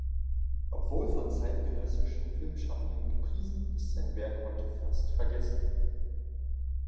Obwohl von zeitgenössischen Filmschaffenden gepriesen, ist sein Werk heute fast vergessen.